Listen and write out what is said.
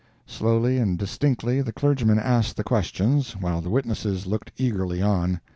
Slowly and distinctly the clergyman asked the questions, while the witnesses looked eagerly on.